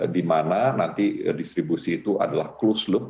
di mana nanti distribusi itu adalah close loop